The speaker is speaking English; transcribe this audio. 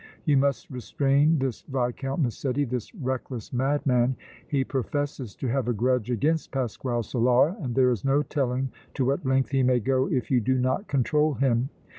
You must restrain this Viscount Massetti, this reckless madman! He professes to have a grudge against Pasquale Solara and there is no telling to what length he may go if you do not control him.